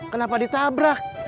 saya tak ada yang nabrak